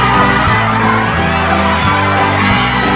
แม่งแม่ง